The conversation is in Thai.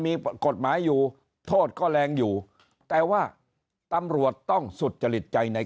มีกฎหมายอยู่โทษก็แรงอยู่แต่ว่าตำรวจต้องสุจริตใจใน